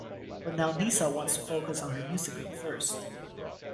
But now Nissa wants to focus on her music group first.